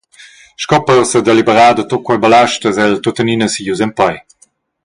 Sco per sedeliberar da tut quei ballast eis el tuttenina siglius en pei.